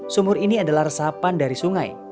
sumur ini adalah resapan dari sungai